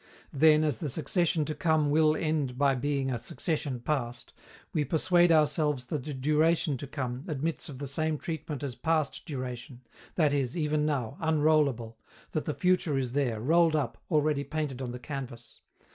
Then, as the succession to come will end by being a succession past, we persuade ourselves that the duration to come admits of the same treatment as past duration, that it is, even now, unrollable, that the future is there, rolled up, already painted on the canvas.